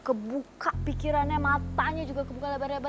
kebuka pikirannya matanya juga kebuka lebar lebar